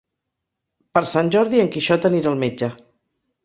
Per Sant Jordi en Quixot anirà al metge.